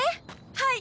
はい。